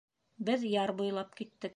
Беҙ яр буйлап киттек.